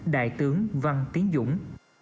đại tướng văn tiến dũng